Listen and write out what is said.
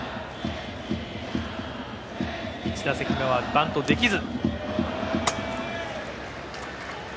１打席目はバントできず。